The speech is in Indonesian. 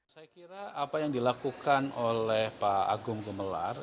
saya kira apa yang dilakukan oleh pak agung gumelar